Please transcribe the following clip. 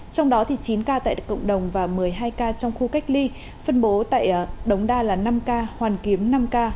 trong đó chín ca tại cộng đồng và một mươi hai ca trong khu cách ly phân bố tại đống đa là năm ca hoàn kiếm năm ca